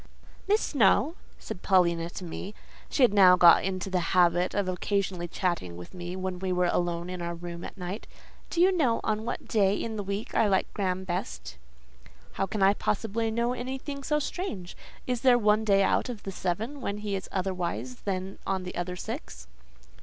"Miss Snowe," said Paulina to me (she had now got into the habit of occasionally chatting with me when we were alone in our room at night), "do you know on what day in the week I like Graham best?" "How can I possibly know anything so strange? Is there one day out of the seven when he is otherwise than on the other six?"